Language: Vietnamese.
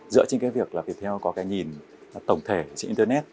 dựa trên việc viettel có nhìn tổng thể trên internet